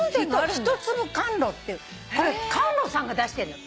ヒトツブカンロっていうこれカンロさんが出してるのよ。